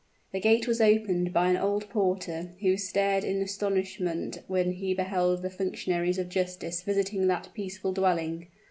The gate was opened by an old porter, who stared in astonishment when he beheld the functionaries of justice visiting that peaceful dwelling.